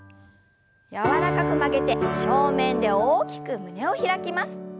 柔らかく曲げて正面で大きく胸を開きます。